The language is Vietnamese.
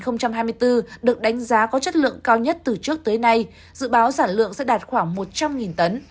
năm hai nghìn hai mươi bốn được đánh giá có chất lượng cao nhất từ trước tới nay dự báo sản lượng sẽ đạt khoảng một trăm linh tấn